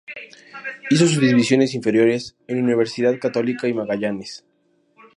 Hizo sus divisiones inferiores en Universidad Católica y Magallanes.